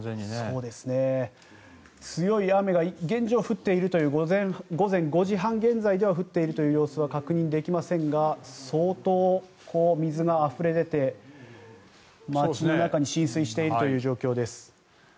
強い雨が現状は降っているという午前５時半現在では降っているという様子は確認できませんが相当水があふれ出て町の中に浸水しているという状況です。